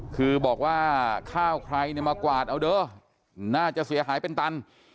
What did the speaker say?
คือบอกว่าข้าวใครเนี่ยมากวาดเอาเด้อน่าจะเสียหายเป็นตัน